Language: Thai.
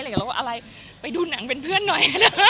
เราว่าอะไรไปดูหนังเป็นเพื่อนหน่อย